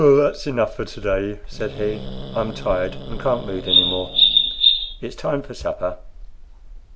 "That's enough for to day," said he; "I'm tired, and can't read any more. It's time for supper."